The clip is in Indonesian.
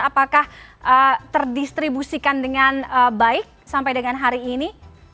apakah terdistribusikan dengan baik sampai dengan hari ini